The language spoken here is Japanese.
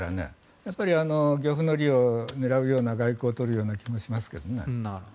やっぱり漁夫の利を狙うような外交を取るような気もしますけどね。